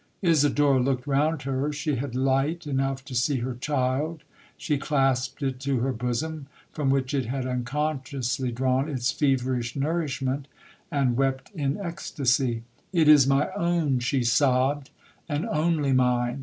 Isidora looked round her—she had light enough to see her child—she clasped it to her bosom, from which it had unconsciously drawn its feverish nourishment, and wept in extasy. 'It is my own,' she sobbed, 'and only mine!